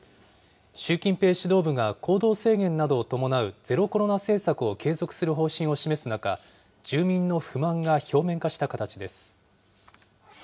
習近平指導部が行動制限などを伴うゼロコロナ政策を継続する方針を示す中、住民の不満が表面化した形です。